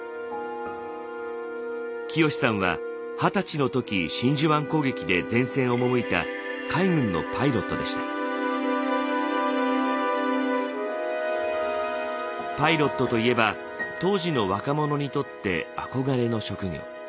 清守さんは二十歳の時真珠湾攻撃で前線へ赴いたパイロットといえば当時の若者にとって憧れの職業。